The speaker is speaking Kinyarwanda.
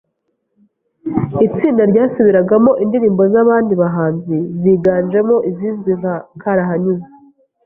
itsinda ryasubiragamo indirimbo z’abandi bahanzi ziganjemo izizwi nka karahanyuze.